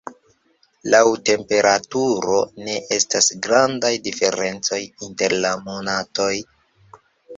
Laŭ temperaturo ne estas grandaj diferencoj inter la monatoj.